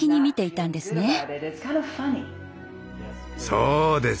そうです。